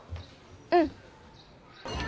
うん。